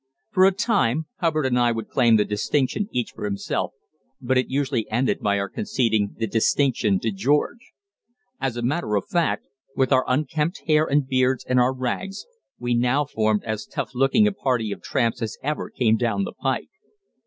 For a time Hubbard and I would claim the distinction each for himself, but it usually ended by our conceding the distinction to George. As a matter of fact, with our unkempt hair and beards and our rags, we now formed as tough looking a party of tramps as ever "came down the pike."